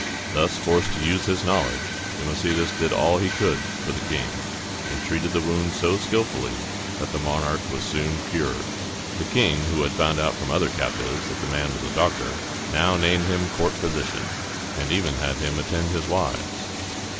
Thus forced to use his knowledge, Democedes did all he could for the king, and treated the wound so skillfully that the monarch was soon cured. The king, who had found out from the other captives that the man was a doctor, now named him court physician, and even had him attend his wives.